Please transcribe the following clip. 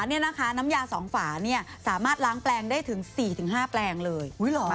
นี่ไงน้ำยา๒ฝาเนี่ยสามารถล้างแปลงได้ถึง๔๕แปลงเลยอุ๊ยเหรอ